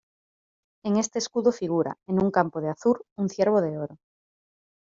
En este escudo figura, en un campo de azur, un ciervo de oro.